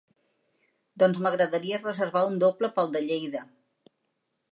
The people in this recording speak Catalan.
Doncs m'agradaria reservar un doble pel de Lleida.